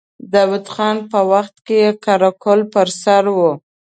د داود خان په وخت کې يې قره قل پر سر و.